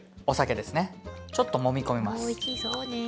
お酒ですねちょっともみ込みます。